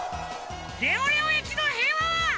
レオレオ駅のへいわは。